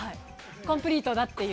コンプリートだっていう？